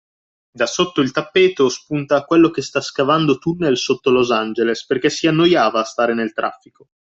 Da sotto il tappeto spunta quello che sta scavando tunnel sotto Los Angeles perché si annoiava a stare nel traffico